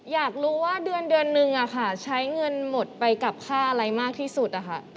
อยากรู้ว่าเดือนนึงใช้เงินหมดไปกับค่าอะไรมากที่สุด